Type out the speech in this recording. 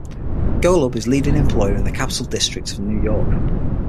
Golub is leading employer in the Capital District of New York.